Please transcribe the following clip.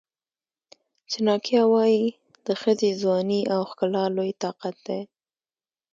چناکیا وایي د ښځې ځواني او ښکلا لوی طاقت دی.